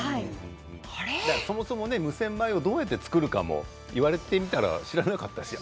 そもそも無洗米をどうやって作るのか言われてみたら、知らなかったですね。